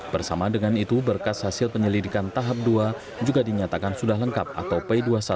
bersama dengan itu berkas hasil penyelidikan tahap dua juga dinyatakan sudah lengkap atau p dua puluh satu